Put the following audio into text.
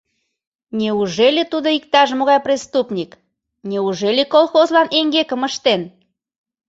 Неужели тудо иктаж-могай преступник, неужели колхозлан эҥгекым ыштен?